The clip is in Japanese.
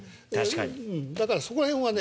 だからそこら辺はね。